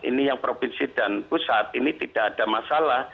ini yang provinsi dan pusat ini tidak ada masalah